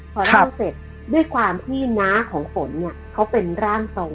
พอเล่าเสร็จด้วยความที่น้าของฝนเนี่ยเขาเป็นร่างทรง